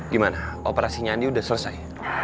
gimana operasi nyandi udah selesai